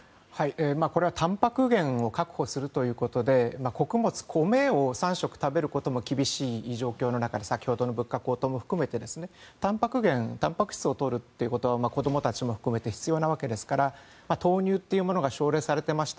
これはたんぱく源を確保するということで穀物、米を３食食べることも厳しい状況の中で先ほどの物価高騰も含めてたんぱく質をとることは子供たちも含めて必要なわけですから豆乳というものが奨励されていました。